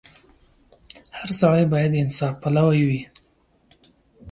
• هر سړی باید د انصاف پلوی وي.